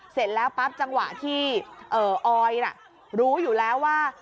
เสร็จแล้วปั๊บจังหวะที่ออยรู้อยู่แล้วว่า